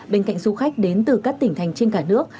bên cạnh du khách đến từ các tỉnh thành trên cả nước